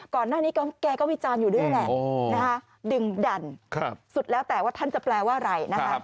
ก่อนหน้านี้แกก็วิจารณ์อยู่ด้วยแหละดึงดันสุดแล้วแต่ว่าท่านจะแปลว่าอะไรนะคะ